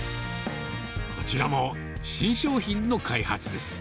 こちらも新商品の開発です。